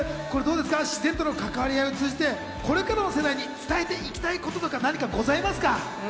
自然との関わり合いを通じてこれからの世代に伝えておきたいこととか何かございますか？